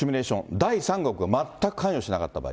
第三国が全く関与しなかった場合。